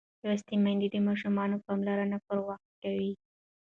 لوستې میندې د ماشوم پاملرنه پر وخت کوي.